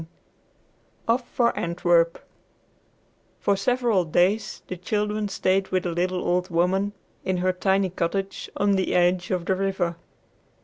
IX OFF FOR ANTWERP For several days the children stayed with the little old woman in her tiny cottage on the edge of the river.